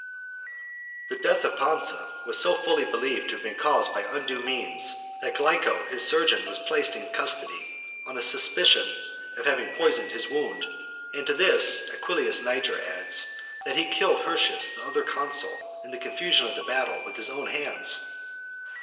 The death of Pansa was so fully believed to have been caused by undue means, that Glyco, his surgeon, was placed in custody, on a suspicion of having poisoned his wound. And to this, Aquilius Niger adds, that he killed Hirtius, the other consul, in the confusion of the battle, with his own hands.